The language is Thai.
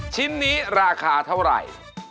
ชิ้นนี้ราคาเท่าไหร่